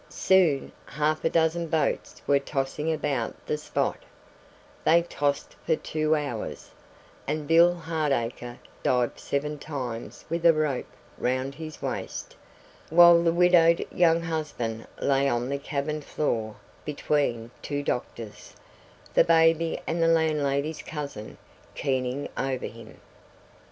Soon half a dozen boats were tossing about the spot; they tossed for two hours, and Bill Hardacre dived seven times with a rope round his waist, while the widowed young husband lay on the cabin floor between two doctors, the baby and the landlady's cousin keening over him.